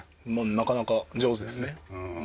なかなか上手ですね。